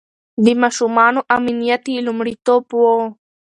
د ماشومانو امنيت يې لومړيتوب و.